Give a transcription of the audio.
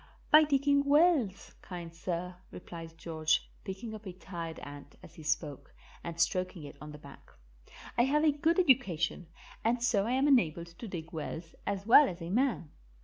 "By digging wells, kind sir," replied George, picking up a tired ant as he spoke and stroking it on the back. "I have a good education, and so I am enabled to dig wells as well as a man.